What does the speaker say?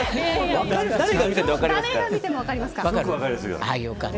誰が見ても分かります。